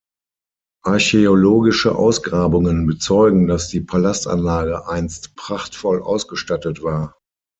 Archäologische Ausgrabungen bezeugen, dass die Palastanlage einst prachtvoll ausgestattet war.